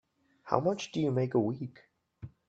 How much do you make a week?